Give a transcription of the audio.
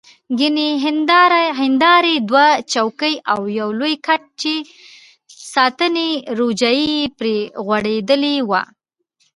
ګڼې هندارې، دوه چوکۍ او یو لوی کټ چې ساټني روجایې پرې غوړېدلې وه.